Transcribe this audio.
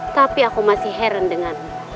tapi aku masih heran dengan